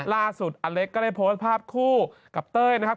อเล็กก็ได้โพสต์ภาพคู่กับเต้ยนะครับ